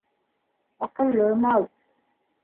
Аҡыллы мал.